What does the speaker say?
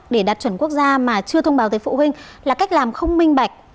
để đạt chuẩn quốc gia mà chưa thông báo tới phụ huynh là cách làm không minh bạch